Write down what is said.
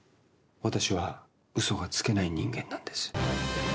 私は嘘がつけない人間なんです。